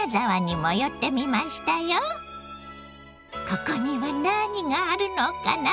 ここには何があるのかな？